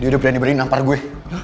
dia udah berani berani nampar gue